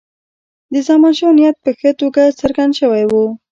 د زمانشاه نیت په ښه توګه څرګند شوی وو.